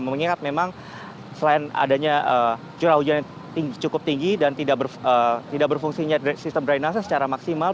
mengingat memang selain adanya curah hujan yang cukup tinggi dan tidak berfungsinya sistem drainase secara maksimal